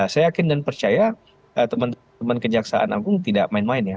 saya yakin dan percaya teman teman kejaksaan agung tidak main main ya